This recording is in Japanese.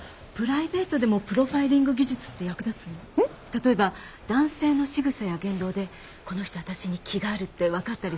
例えば男性のしぐさや言動でこの人わたしに気があるって分かったりするとか。